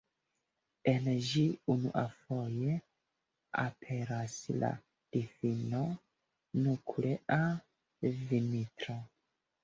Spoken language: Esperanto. En ĝi unuafoje aperas la difino Nuklea Vintro.